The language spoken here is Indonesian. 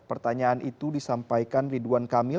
pertanyaan itu disampaikan ridwan kamil